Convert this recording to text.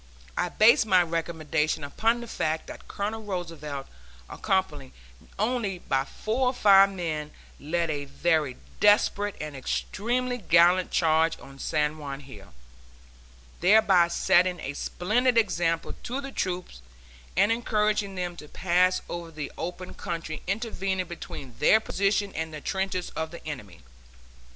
I based my recommendation upon the fact that Colonel Roosevelt, accompanied only by four or five men, led a very desperate and extremely gallant charge on San Juan Hill, thereby setting a splendid example to the troops and encouraging them to pass over the open country intervening between their position and the trenches of the enemy.